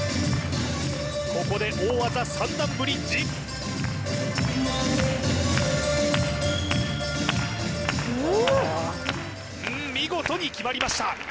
ここで大技三段ブリッジうん見事に決まりました